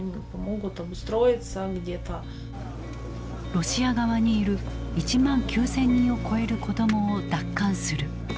ロシア側にいる１万９，０００人を超える子どもを奪還する。